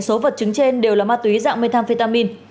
số vật chứng trên đều là ma túy dạng methamphetamin